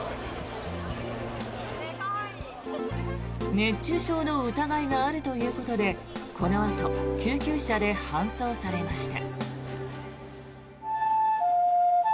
熱中症の疑いがあるということでこのあと、救急車で搬送されました。